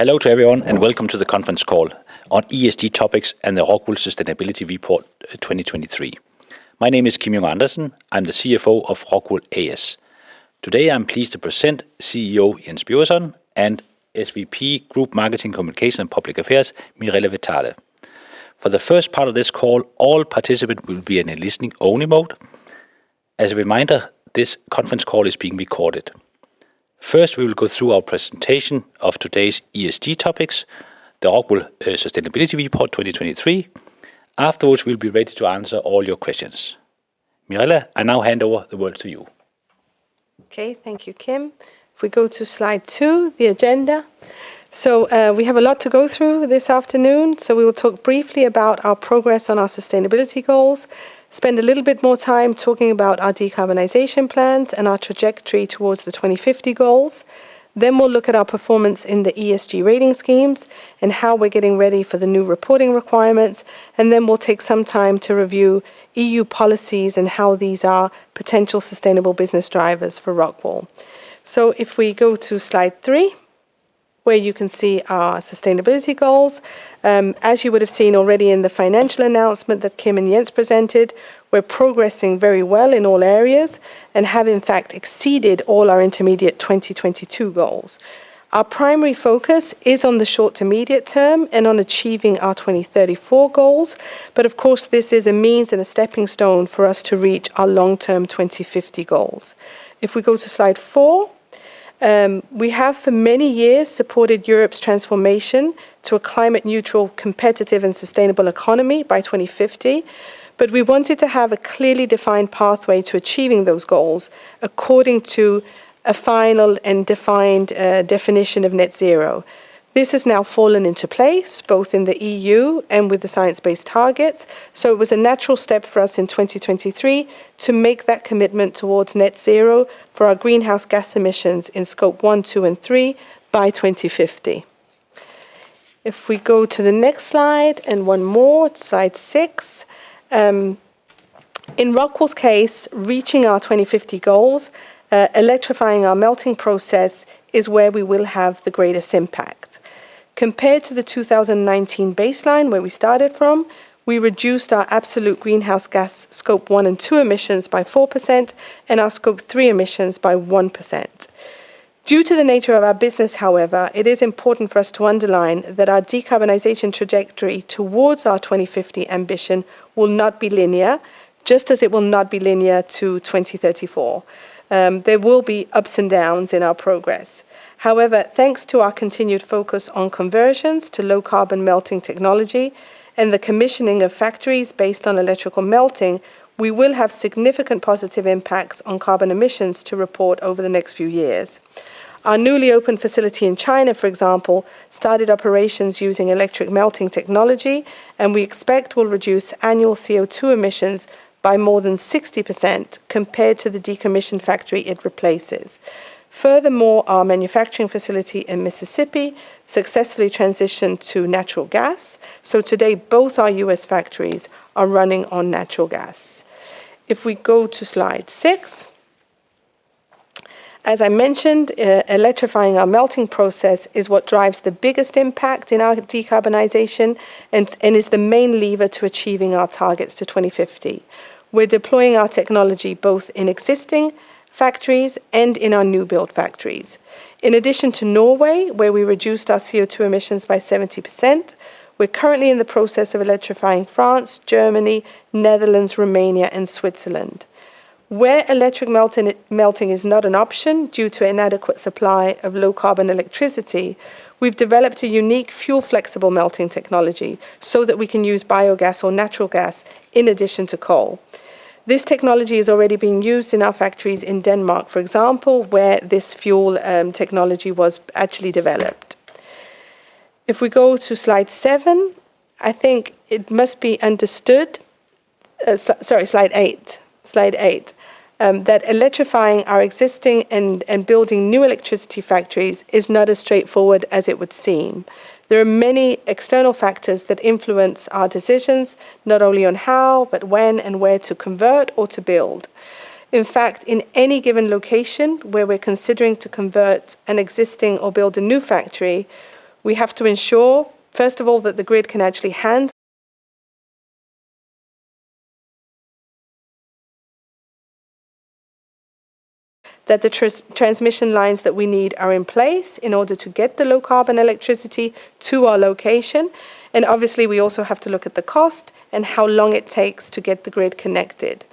Hello to everyone and welcome to the conference call on ESG topics and the ROCKWOOL Sustainability Report 2023. My name is Kim Junge Andersen, I'm the CFO of ROCKWOOL A/S. Today I'm pleased to present CEO Jens Birgersson and SVP Group Marketing Communications and Public Affairs Mirella Vitale. For the first part of this call, all participants will be in a listening-only mode. As a reminder, this conference call is being recorded. First we will go through our presentation of today's ESG topics, the ROCKWOOL Sustainability Report 2023, after which we'll be ready to answer all your questions. Mirella, I now hand over the word to you. Okay, thank you Kim. If we go to Slide 2, the agenda. We have a lot to go through this afternoon, so we will talk briefly about our progress on our sustainability goals, spend a little bit more time talking about our decarbonization plans and our trajectory towards the 2050 goals. We'll look at our performance in the ESG rating schemes and how we're getting ready for the new reporting requirements. We'll take some time to review EU policies and how these are potential sustainable business drivers for ROCKWOOL. If we go to Slide 3, where you can see our sustainability goals. As you would have seen already in the financial announcement that Kim and Jens presented, we're progressing very well in all areas and have in fact exceeded all our intermediate 2022 goals. Our primary focus is on the short to medium term and on achieving our 2034 goals, but of course this is a means and a stepping stone for us to reach our long-term 2050 goals. If we go to Slide 4, we have for many years supported Europe's transformation to a climate-neutral, competitive, and sustainable economy by 2050, but we wanted to have a clearly defined pathway to achieving those goals according to a final and defined definition of net zero. This has now fallen into place both in the EU and with the science-based targets, so it was a natural step for us in 2023 to make that commitment towards net zero for our greenhouse gas emissions in Scope 1, 2, and 3 by 2050. If we go to the next slide and one more, Slide 6. In ROCKWOOL's case, reaching our 2050 goals, electrifying our melting process is where we will have the greatest impact. Compared to the 2019 baseline where we started from, we reduced our absolute greenhouse gas Scope 1 and 2 emissions by 4% and our Scope 3 emissions by 1%. Due to the nature of our business, however, it is important for us to underline that our decarbonization trajectory towards our 2050 ambition will not be linear, just as it will not be linear to 2034. There will be ups and downs in our progress. However, thanks to our continued focus on conversions to low-carbon melting technology and the commissioning of factories based on electrical melting, we will have significant positive impacts on carbon emissions to report over the next few years. Our newly opened facility in China, for example, started operations using electric melting technology and we expect will reduce annual CO2 emissions by more than 60% compared to the decommissioned factory it replaces. Furthermore, our manufacturing facility in Mississippi successfully transitioned to natural gas, so today both our U.S. factories are running on natural gas. If we go to Slide 6. As I mentioned, electrifying our melting process is what drives the biggest impact in our decarbonization and is the main lever to achieving our targets to 2050. We're deploying our technology both in existing factories and in our new-built factories. In addition to Norway, where we reduced our CO2 emissions by 70%, we're currently in the process of electrifying France, Germany, Netherlands, Romania, and Switzerland. Where electric melting is not an option due to an inadequate supply of low-carbon electricity, we've developed a unique fuel-flexible melting technology so that we can use biogas or natural gas in addition to coal. This technology is already being used in our factories in Denmark, for example, where this fuel technology was actually developed. If we go to slide seven, I think it must be understood. Sorry, Slide 8. Slide 8. That electrifying our existing and building new electricity factories is not as straightforward as it would seem. There are many external factors that influence our decisions, not only on how, but when and where to convert or to build. In fact, in any given location where we're considering to convert an existing or build a new factory, we have to ensure, first of all, that the grid can actually handle. That the transmission lines that we need are in place in order to get the low-carbon electricity to our location. Obviously we also have to look at the cost and how long it takes to get the grid connected.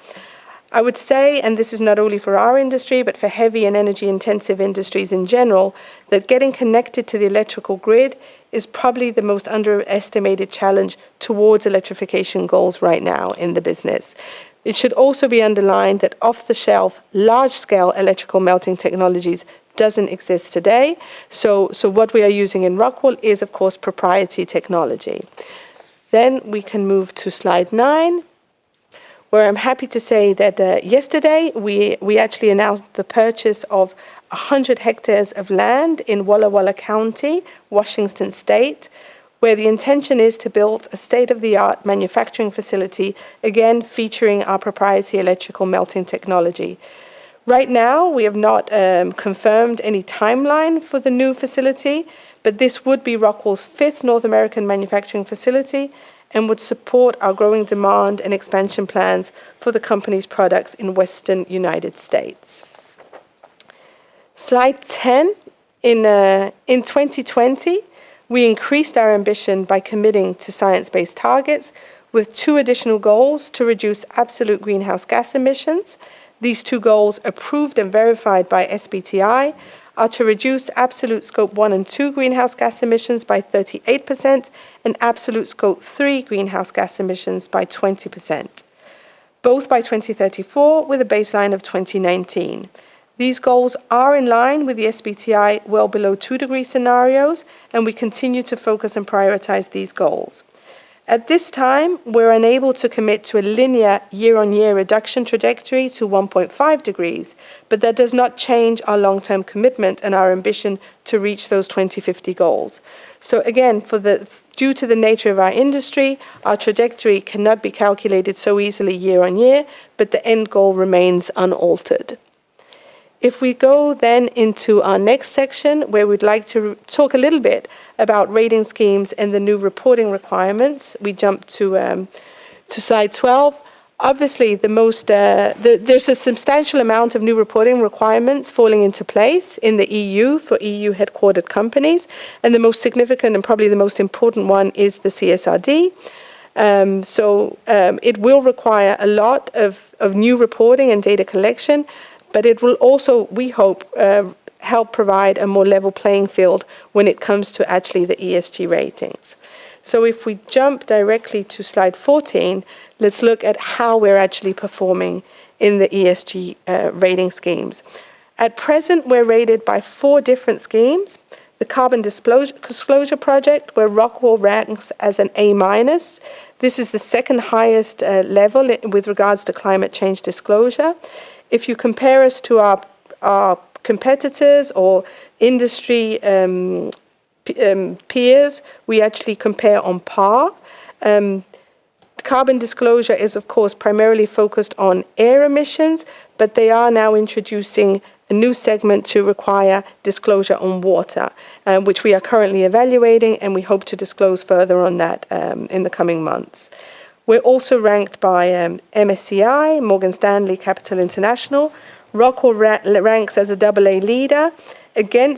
I would say, and this is not only for our industry but for heavy and energy-intensive industries in general, that getting connected to the electrical grid is probably the most underestimated challenge towards electrification goals right now in the business. It should also be underlined that off-the-shelf large-scale electrical melting technologies don't exist today. So what we are using in ROCKWOOL is, of course, proprietary technology. We can move to Slide 9. Where I'm happy to say that yesterday we actually announced the purchase of 100 hectares of land in Walla Walla County, Washington State, where the intention is to build a state-of-the-art manufacturing facility, again featuring our proprietary electrical melting technology. Right now we have not confirmed any timeline for the new facility, but this would be Rockwool's fifth North American manufacturing facility and would support our growing demand and expansion plans for the company's products in Western United States. Slide 10. In 2020 we increased our ambition by committing to science-based targets with two additional goals to reduce absolute greenhouse gas emissions. These two goals, approved and verified by SBTi, are to reduce absolute Scope 1 and 2 greenhouse gas emissions by 38% and absolute Scope 3 greenhouse gas emissions by 20%. Both by 2034 with a baseline of 2019. These goals are in line with the SBTi well below 2-degree scenarios and we continue to focus and prioritize these goals. At this time we're unable to commit to a linear year-on-year reduction trajectory to 1.5 degrees, but that does not change our long-term commitment and our ambition to reach those 2050 goals. So again, due to the nature of our industry, our trajectory cannot be calculated so easily year-on-year, but the end goal remains unaltered. If we go then into our next section where we'd like to talk a little bit about rating schemes and the new reporting requirements, we jump to Slide 12. Obviously there's a substantial amount of new reporting requirements falling into place in the EU for EU-headquartered companies. The most significant and probably the most important one is the CSRD. So it will require a lot of new reporting and data collection, but it will also, we hope, help provide a more level playing field when it comes to actually the ESG ratings. So if we jump directly to Slide 14, let's look at how we're actually performing in the ESG rating schemes. At present we're rated by four different schemes. The Carbon Disclosure Project, where ROCKWOOL ranks as an A-minus. This is the second highest level with regards to climate change disclosure. If you compare us to our competitors or industry peers, we actually compare on par. Carbon disclosure is, of course, primarily focused on air emissions, but they are now introducing a new segment to require disclosure on water, which we are currently evaluating and we hope to disclose further on that in the coming months. We're also ranked by MSCI, Morgan Stanley Capital International. Rockwool ranks as a double-A leader. Again,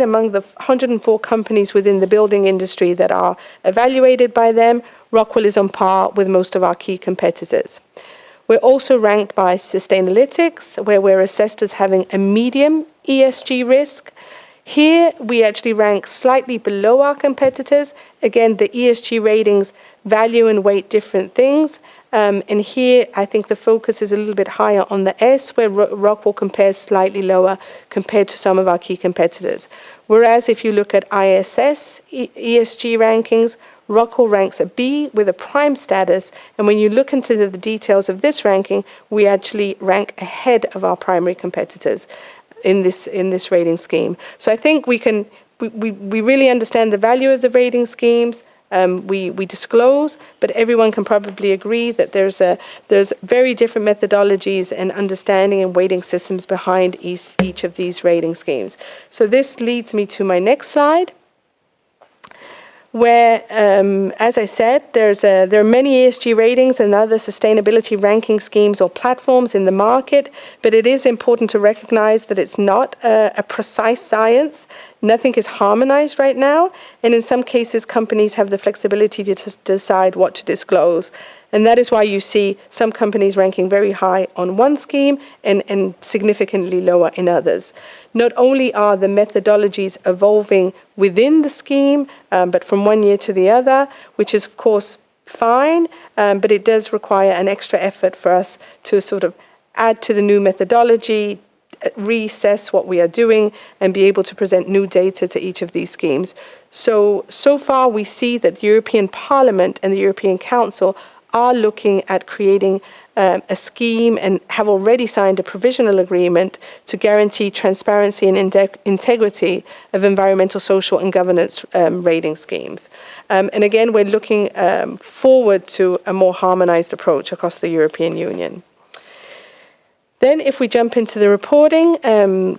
among the 104 companies within the building industry that are evaluated by them, Rockwool is on par with most of our key competitors. We're also ranked by Sustainalytics, where we're assessed as having a medium ESG risk. Here we actually rank slightly below our competitors. Again, the ESG ratings, value and weight different things. And here I think the focus is a little bit higher on the S, where Rockwool compares slightly lower compared to some of our key competitors. Whereas if you look at ISS ESG rankings, Rockwool ranks a B with a prime status. And when you look into the details of this ranking, we actually rank ahead of our primary competitors in this rating scheme. So I think we really understand the value of the rating schemes. We disclose, but everyone can probably agree that there's very different methodologies and understanding and weighting systems behind each of these rating schemes. So this leads me to my next slide, where, as I said, there are many ESG ratings and other sustainability ranking schemes or platforms in the market, but it is important to recognize that it's not a precise science. Nothing is harmonized right now. In some cases companies have the flexibility to decide what to disclose. That is why you see some companies ranking very high on one scheme and significantly lower in others. Not only are the methodologies evolving within the scheme, but from one year to the other, which is of course fine, but it does require an extra effort for us to sort of add to the new methodology, reassess what we are doing, and be able to present new data to each of these schemes. So far we see that the European Parliament and the European Council are looking at creating a scheme and have already signed a provisional agreement to guarantee transparency and integrity of environmental, social, and governance rating schemes. And again, we're looking forward to a more harmonized approach across the European Union. Then if we jump into the reporting,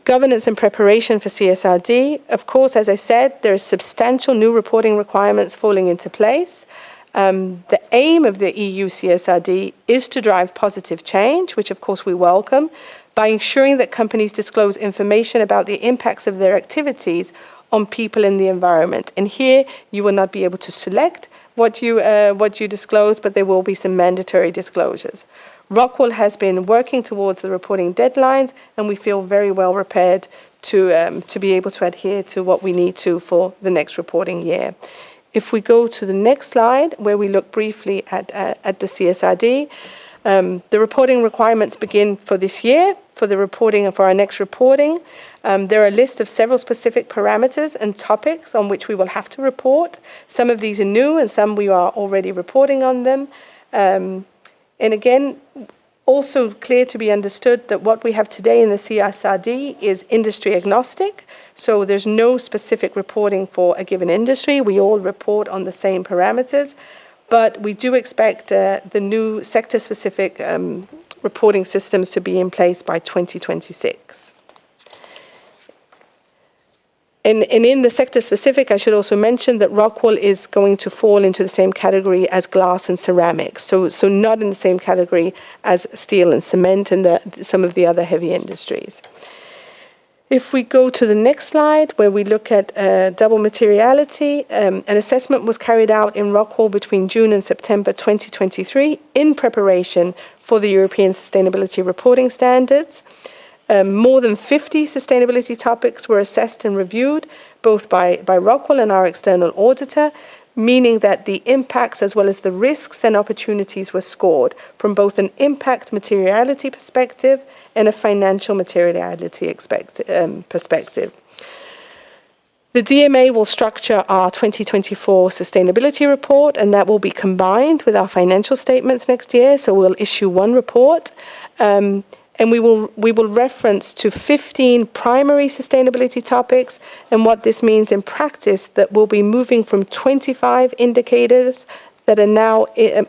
governance and preparation for CSRD. Of course, as I said, there are substantial new reporting requirements falling into place. The aim of the EU CSRD is to drive positive change, which of course we welcome, by ensuring that companies disclose information about the impacts of their activities on people in the environment. Here you will not be able to select what you disclose, but there will be some mandatory disclosures. ROCKWOOL has been working towards the reporting deadlines and we feel very well prepared to be able to adhere to what we need to for the next reporting year. If we go to the next slide, where we look briefly at the CSRD. The reporting requirements begin for this year, for the reporting and for our next reporting. There are a list of several specific parameters and topics on which we will have to report. Some of these are new and some we are already reporting on them. Again, also clear to be understood that what we have today in the CSRD is industry agnostic. So there's no specific reporting for a given industry. We all report on the same parameters. But we do expect the new sector-specific reporting systems to be in place by 2026. And in the sector-specific, I should also mention that ROCKWOOL is going to fall into the same category as glass and ceramics. So not in the same category as steel and cement and some of the other heavy industries. If we go to the next slide where we look at double materiality, an assessment was carried out in ROCKWOOL between June and September 2023 in preparation for the European Sustainability Reporting Standards. More than 50 sustainability topics were assessed and reviewed both by ROCKWOOL and our external auditor, meaning that the impacts as well as the risks and opportunities were scored from both an impact materiality perspective and a financial materiality perspective. The DMA will structure our 2024 sustainability report and that will be combined with our financial statements next year. So we'll issue one report. And we will reference to 15 primary sustainability topics and what this means in practice that we'll be moving from 25 indicators that are now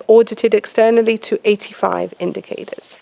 audited externally to 85 indicators.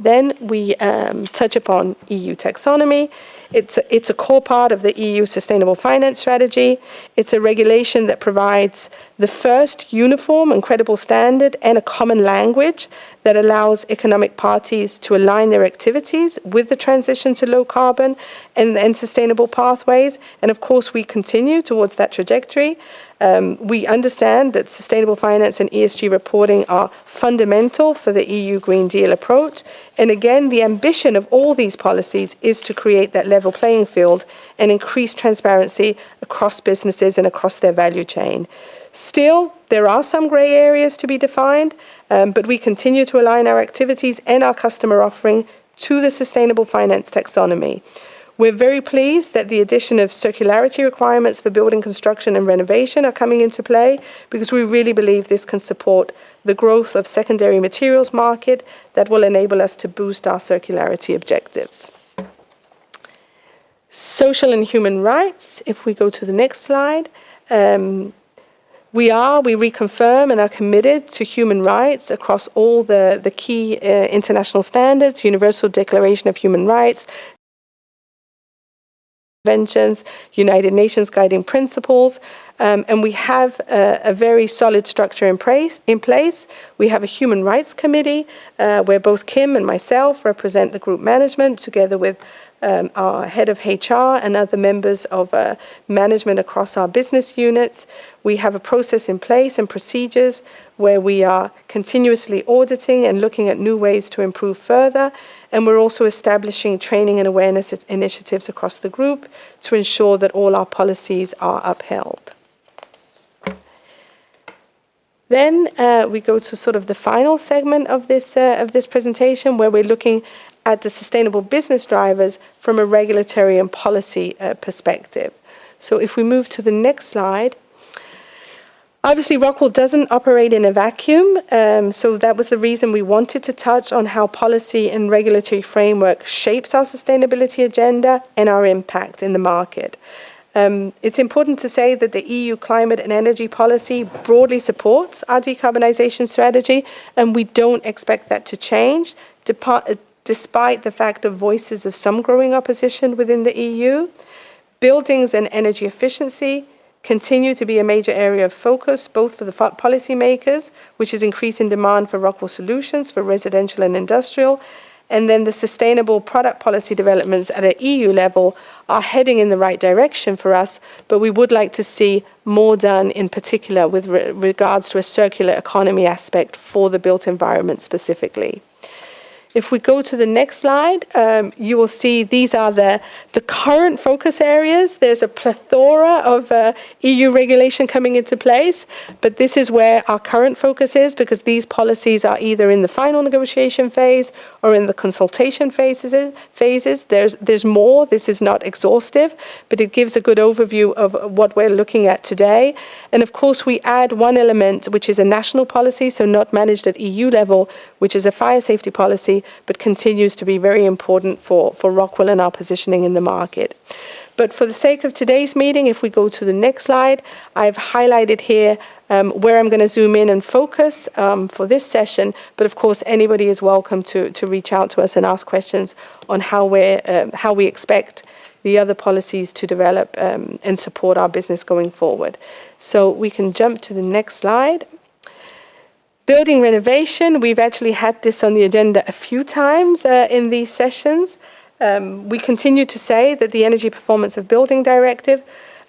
Then we touch upon EU Taxonomy. It's a core part of the EU Sustainable Finance Strategy. It's a regulation that provides the first uniform and credible standard and a common language that allows economic parties to align their activities with the transition to low carbon and sustainable pathways. And of course we continue towards that trajectory. We understand that sustainable finance and ESG reporting are fundamental for the EU Green Deal approach. And again, the ambition of all these policies is to create that level playing field and increase transparency across businesses and across their value chain. Still, there are some gray areas to be defined, but we continue to align our activities and our customer offering to the sustainable finance taxonomy. We're very pleased that the addition of circularity requirements for building, construction, and renovation are coming into play because we really believe this can support the growth of the secondary materials market that will enable us to boost our circularity objectives. Social and human rights. If we go to the next slide. We are, we reconfirm and are committed to human rights across all the key international standards, Universal Declaration of Human Rights. Conventions, United Nations Guiding Principles. We have a very solid structure in place. We have a human rights committee where both Kim and myself represent the group management together with our head of HR and other members of management across our business units. We have a process in place and procedures where we are continuously auditing and looking at new ways to improve further. And we're also establishing training and awareness initiatives across the group to ensure that all our policies are upheld. Then we go to sort of the final segment of this presentation where we're looking at the sustainable business drivers from a regulatory and policy perspective. So if we move to the next slide. Obviously ROCKWOOL doesn't operate in a vacuum. So that was the reason we wanted to touch on how policy and regulatory framework shapes our sustainability agenda and our impact in the market. It's important to say that the EU climate and energy policy broadly supports our decarbonization strategy and we don't expect that to change despite the fact of voices of some growing opposition within the EU. Buildings and energy efficiency continue to be a major area of focus both for the policymakers, which is increasing demand for ROCKWOOL solutions for residential and industrial. Then the sustainable product policy developments at an EU level are heading in the right direction for us, but we would like to see more done in particular with regards to a circular economy aspect for the built environment specifically. If we go to the next slide, you will see these are the current focus areas. There's a plethora of EU regulation coming into place, but this is where our current focus is because these policies are either in the final negotiation phase or in the consultation phases. There's more. This is not exhaustive, but it gives a good overview of what we're looking at today. And of course we add one element, which is a national policy, so not managed at EU level, which is a fire safety policy, but continues to be very important for ROCKWOOL and our positioning in the market. But for the sake of today's meeting, if we go to the next slide, I've highlighted here where I'm going to zoom in and focus for this session. But of course anybody is welcome to reach out to us and ask questions on how we expect the other policies to develop and support our business going forward. So we can jump to the next slide. Building renovation. We've actually had this on the agenda a few times in these sessions. We continue to say that the Energy Performance of Buildings Directive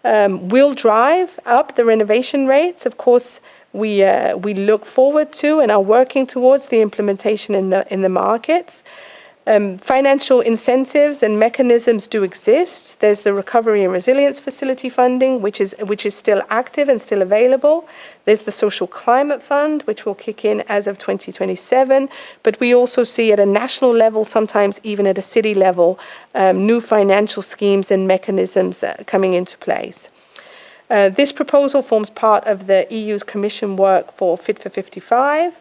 will drive up the renovation rates. Of course we look forward to and are working towards the implementation in the markets. Financial incentives and mechanisms do exist. There's the Recovery and Resilience Facility funding, which is still active and still available. There's the Social Climate Fund, which will kick in as of 2027. But we also see at a national level, sometimes even at a city level, new financial schemes and mechanisms coming into place. This proposal forms part of the EU Commission's work for Fit for 55.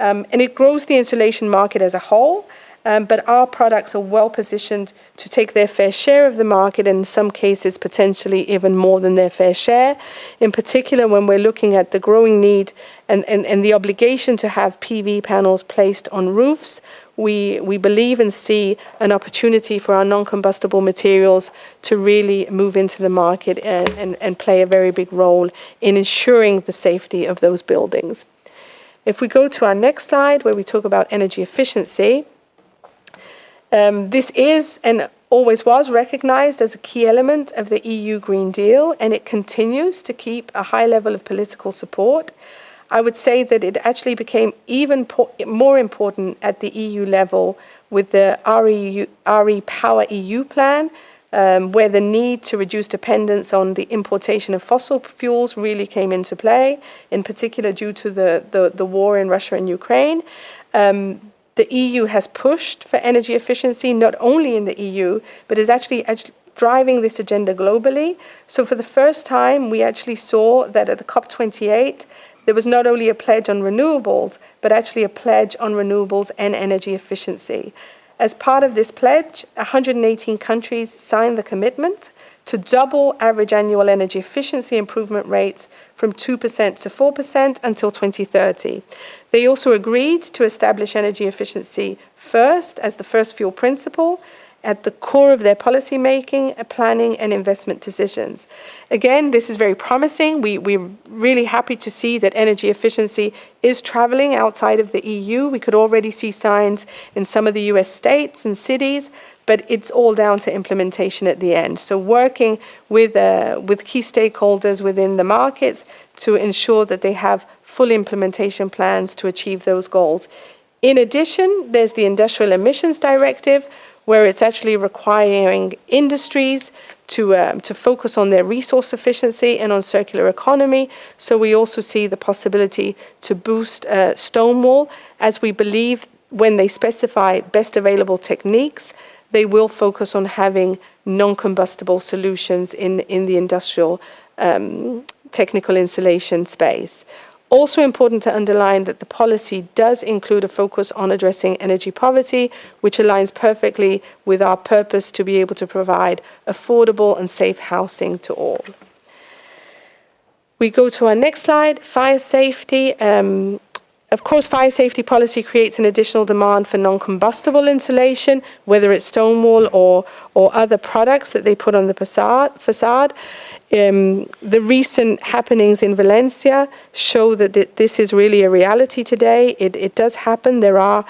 And it grows the insulation market as a whole. But our products are well positioned to take their fair share of the market and in some cases potentially even more than their fair share. In particular when we're looking at the growing need and the obligation to have PV panels placed on roofs, we believe and see an opportunity for our non-combustible materials to really move into the market and play a very big role in ensuring the safety of those buildings. If we go to our next slide where we talk about energy efficiency. This is and always was recognized as a key element of the EU Green Deal and it continues to keep a high level of political support. I would say that it actually became even more important at the EU level with the REPower EU Plan, where the need to reduce dependence on the importation of fossil fuels really came into play, in particular due to the war in Russia and Ukraine. The EU has pushed for energy efficiency not only in the EU, but is actually driving this agenda globally. So for the first time we actually saw that at the COP28 there was not only a pledge on renewables, but actually a pledge on renewables and energy efficiency. As part of this pledge, 118 countries signed the commitment to double average annual energy efficiency improvement rates from 2%-4% until 2030. They also agreed to establish energy efficiency first as the first fuel principle at the core of their policymaking, planning, and investment decisions. Again, this is very promising. We're really happy to see that energy efficiency is traveling outside of the EU. We could already see signs in some of the U.S. states and cities, but it's all down to implementation at the end. Working with key stakeholders within the markets to ensure that they have full implementation plans to achieve those goals. In addition, there's the Industrial Emissions Directive where it's actually requiring industries to focus on their resource efficiency and on circular economy. So we also see the possibility to boost stone wool as we believe when they specify best available techniques, they will focus on having non-combustible solutions in the industrial technical insulation space. Also important to underline that the policy does include a focus on addressing energy poverty, which aligns perfectly with our purpose to be able to provide affordable and safe housing to all. We go to our next slide. Fire safety. Of course fire safety policy creates an additional demand for non-combustible insulation, whether it's stone wool or other products that they put on the façade. The recent happenings in Valencia show that this is really a reality today. It does happen. There are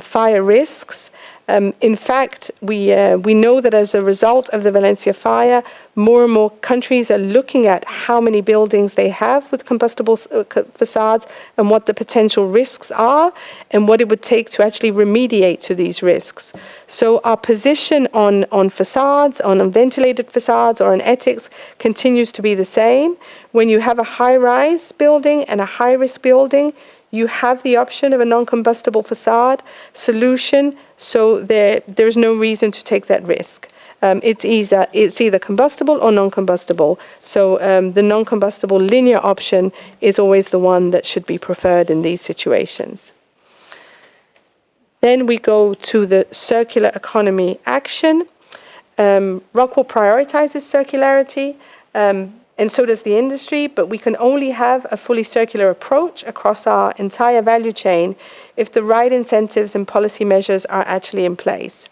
fire risks. In fact we know that as a result of the Valencia fire, more and more countries are looking at how many buildings they have with combustible façades and what the potential risks are and what it would take to actually remediate to these risks. So our position on façades, on ventilated façades or on ETHICS continues to be the same. When you have a high-rise building and a high-risk building, you have the option of a non-combustible façade solution so there's no reason to take that risk. It's either combustible or non-combustible. The non-combustible linear option is always the one that should be preferred in these situations. We go to the circular economy action. ROCKWOOL prioritizes circularity and so does the industry, but we can only have a fully circular approach across our entire value chain if the right incentives and policy measures are actually in place.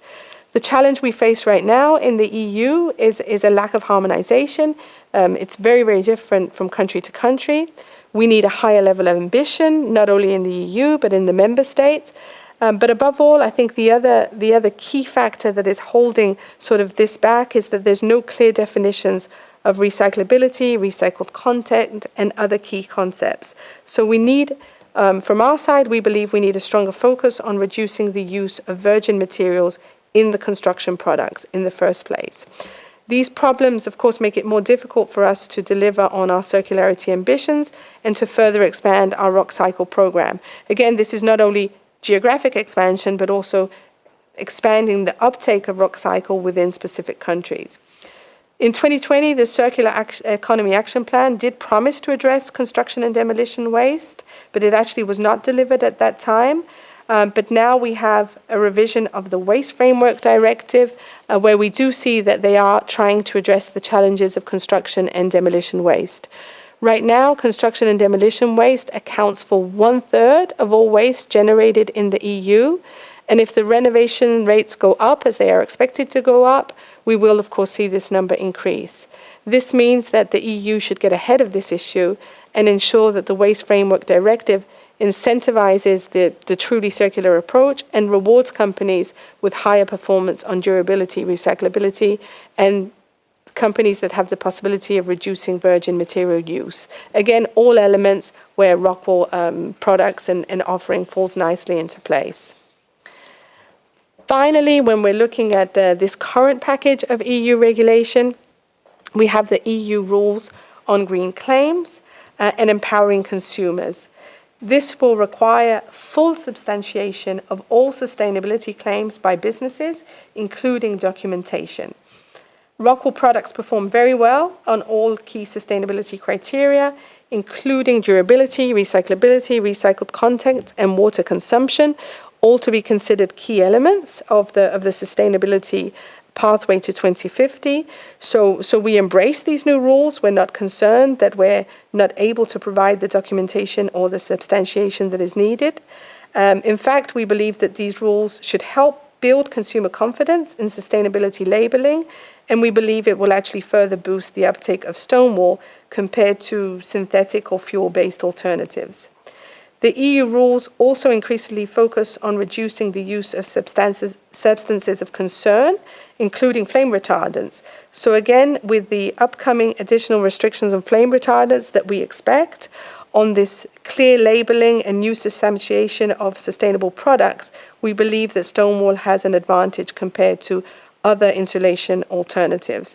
The challenge we face right now in the EU is a lack of harmonization. It's very, very different from country to country. We need a higher level of ambition, not only in the EU, but in the member states. But above all, I think the other key factor that is holding sort of this back is that there's no clear definitions of recyclability, recycled content, and other key concepts. So we need from our side, we believe we need a stronger focus on reducing the use of virgin materials in the construction products in the first place. These problems, of course, make it more difficult for us to deliver on our circularity ambitions and to further expand our Rockcycle program. Again, this is not only geographic expansion, but also expanding the uptake of Rockcycle within specific countries. In 2020, the Circular Economy Action Plan did promise to address construction and demolition waste, but it actually was not delivered at that time. But now we have a revision of the Waste Framework Directive where we do see that they are trying to address the challenges of construction and demolition waste. Right now, construction and demolition waste accounts for one third of all waste generated in the EU. If the renovation rates go up as they are expected to go up, we will, of course, see this number increase. This means that the EU should get ahead of this issue and ensure that the Waste Framework Directive incentivizes the truly circular approach and rewards companies with higher performance on durability, recyclability, and companies that have the possibility of reducing virgin material use. Again, all elements where ROCKWOOL products and offering falls nicely into place. Finally, when we're looking at this current package of EU regulation, we have the EU Rules on Green Claims and Empowering Consumers. This will require full substantiation of all sustainability claims by businesses, including documentation. ROCKWOOL products perform very well on all key sustainability criteria, including durability, recyclability, recycled content, and water consumption, all to be considered key elements of the sustainability pathway to 2050. So we embrace these new rules. We're not concerned that we're not able to provide the documentation or the substantiation that is needed. In fact, we believe that these rules should help build consumer confidence in sustainability labeling, and we believe it will actually further boost the uptake of stone wool compared to synthetic or fuel-based alternatives. The EU rules also increasingly focus on reducing the use of substances of concern, including flame retardants. So again, with the upcoming additional restrictions on flame retardants that we expect on this clear labeling and new substantiation of sustainable products, we believe that stone wool has an advantage compared to other insulation alternatives.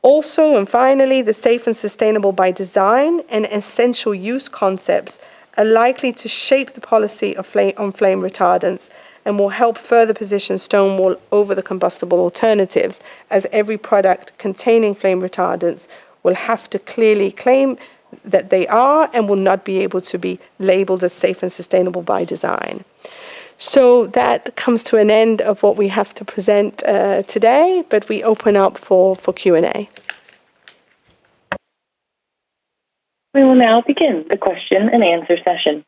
Also, and finally, the safe and sustainable by design and essential use concepts are likely to shape the policy on flame retardants and will help further position stone wool over the combustible alternatives, as every product containing flame retardants will have to clearly claim that they are and will not be able to be labeled as safe and sustainable by design. So that comes to an end of what we have to present today, but we open up for Q&A. We will now begin the question and answer session.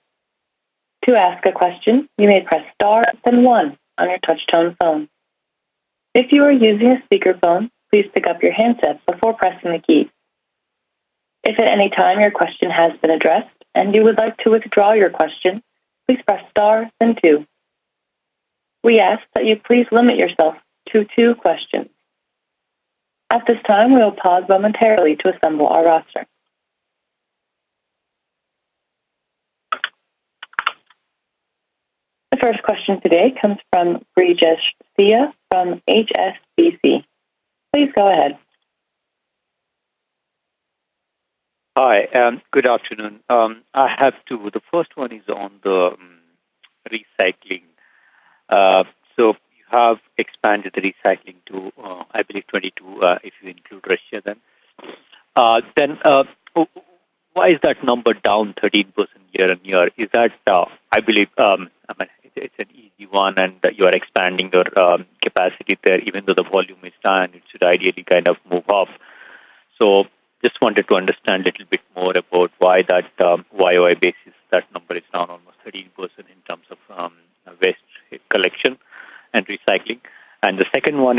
To ask a question, you may press star then one on your touch tone phone. If you are using a speakerphone, please pick up your handset before pressing the key. If at any time your question has been addressed and you would like to withdraw your question, please press star then two. We ask that you please limit yourself to two questions. At this time, we will pause momentarily to assemble our roster. The first question today comes from Brijesh Siya from HSBC. Please go ahead. Hi. Good afternoon. I have two. The first one is on the recycling. So you have expanded the recycling to, I believe, 22 if you include Russia then. Then why is that number down 13% year-on-year? I believe it's an easy one and you are expanding your capacity there even though the volume is down; it should ideally kind of move up. So just wanted to understand a little bit more about why on a basis that number is down almost 13% in terms of waste collection and recycling. And the second one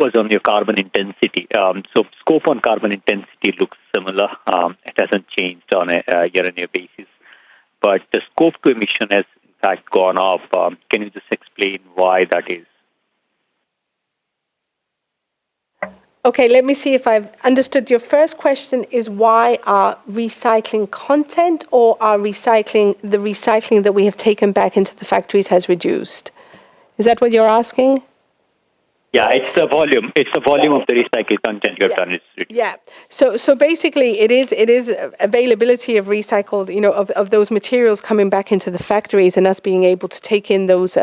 was on your carbon intensity. So Scope 1 carbon intensity looks similar. It hasn't changed on a year-on-year basis. But the Scope 2 emission has, in fact, gone up. Can you just explain why that is? Okay. Let me see if I've understood. Your first question is why are recycling content or are the recycling that we have taken back into the factories has reduced? Is that what you're asking? Yeah. It's the volume. It's the volume of the recycled content you have done. Yeah. So basically it is availability of those materials coming back into the factories and us being able to take in those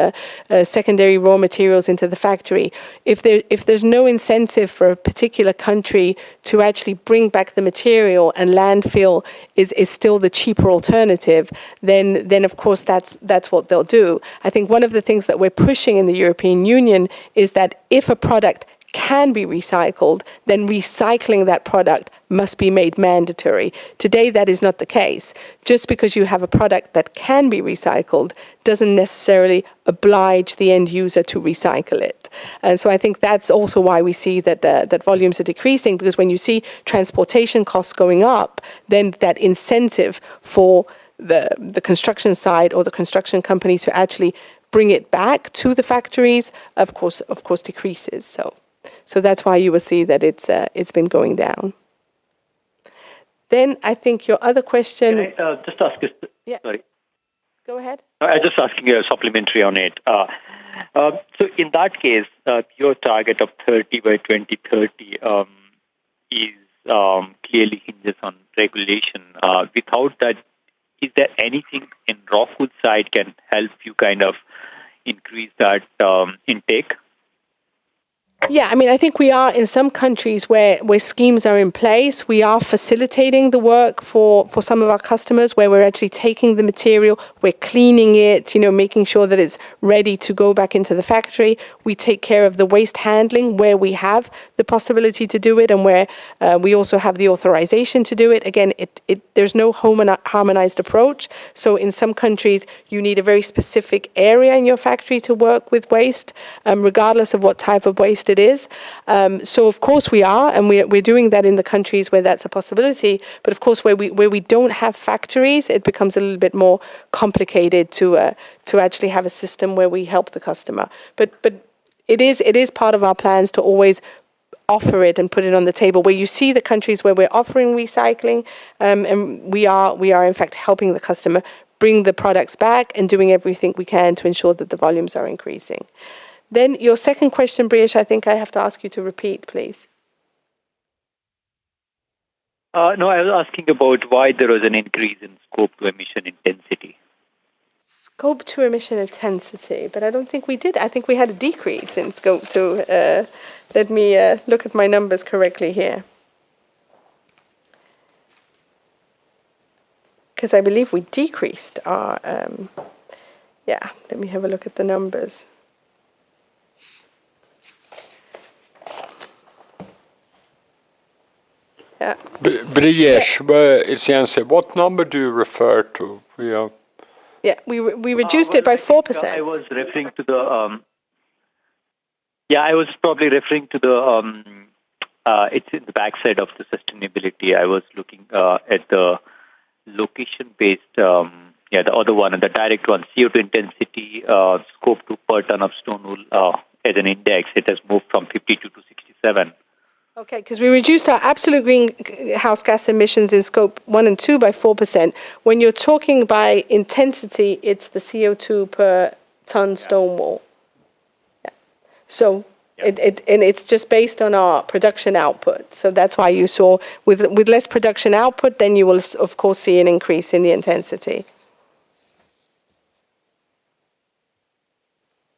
secondary raw materials into the factory. If there's no incentive for a particular country to actually bring back the material and landfill is still the cheaper alternative, then of course that's what they'll do. I think one of the things that we're pushing in the European Union is that if a product can be recycled, then recycling that product must be made mandatory. Today that is not the case. Just because you have a product that can be recycled doesn't necessarily oblige the end user to recycle it. And so I think that's also why we see that volumes are decreasing. Because when you see transportation costs going up, then that incentive for the construction side or the construction company to actually bring it back to the factories, of course, decreases. So that's why you will see that it's been going down. Then I think your other question. Just ask because. Yeah. Go ahead. I'm just asking a supplementary on it. So in that case, your target of 30 by 2030 clearly hinges on regulation. Without that, is there anything in ROCKWOOL's side that can help you kind of increase that intake? Yeah. I mean, I think we are in some countries where schemes are in place. We are facilitating the work for some of our customers where we're actually taking the material, we're cleaning it, making sure that it's ready to go back into the factory. We take care of the waste handling where we have the possibility to do it and where we also have the authorization to do it. Again, there's no harmonized approach. So in some countries, you need a very specific area in your factory to work with waste, regardless of what type of waste it is. So of course we are, and we're doing that in the countries where that's a possibility. But of course, where we don't have factories, it becomes a little bit more complicated to actually have a system where we help the customer. It is part of our plans to always offer it and put it on the table. Where you see the countries where we're offering recycling and we are, in fact, helping the customer bring the products back and doing everything we can to ensure that the volumes are increasing. Your second question, Briges, I think I have to ask you to repeat, please. No, I was asking about why there was an increase in Scope 2 emission intensity. Scope 2 emission intensity, but I don't think we did. I think we had a decrease in Scope 2. Let me look at my numbers correctly here. Because I believe we decreased our yeah. Let me have a look at the numbers. Yeah. Briges, what number do you refer to? Yeah. We reduced it by 4%. I was referring to the. I was probably referring to the. It's in the backside of the sustainability. I was looking at the location-based, the other one, the direct one. CO2 intensity, Scope 2 per tonne of stone wool as an index. It has moved from 52 to 67. Okay. Because we reduced our absolute greenhouse gas emissions in Scope 1 and 2 by 4%. When you're talking by intensity, it's the CO2 per ton stone wool. Yeah. And it's just based on our production output. So that's why you saw with less production output, then you will, of course, see an increase in the intensity.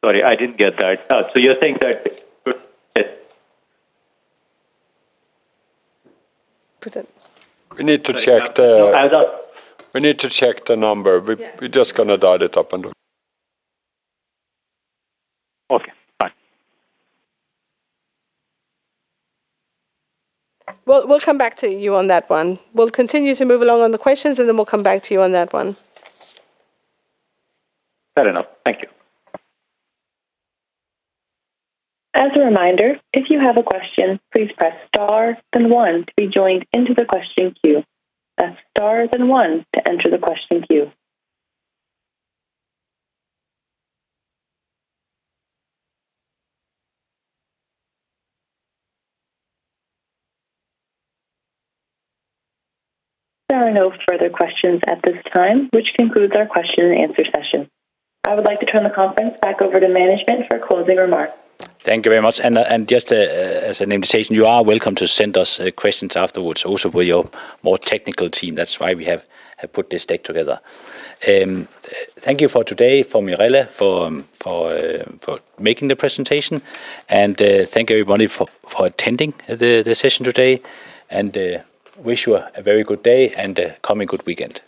Sorry. I didn't get that. So you're saying that? We need to check the. I was asked. We need to check the number. We're just going to dial it up. Okay. Fine. We'll come back to you on that one. We'll continue to move along on the questions and then we'll come back to you on that one. Fair enough. Thank you. As a reminder, if you have a question, please press star then one to be joined into the question queue. Press star then one to enter the question queue. There are no further questions at this time, which concludes our question and answer session. I would like to turn the conference back over to management for a closing remark. Thank you very much. Just as an invitation, you are welcome to send us questions afterwards also with your more technical team. That's why we have put this deck together. Thank you for today, for Mirella, for making the presentation. Thank everybody for attending the session today. Wish you a very good day and coming good weekend.